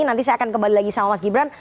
nanti saya akan kembali lagi sama mas gibran